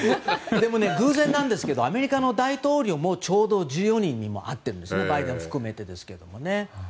でも、偶然なんですがアメリカの大統領もちょうど１４人に会ってるんですバイデン含めてですけど。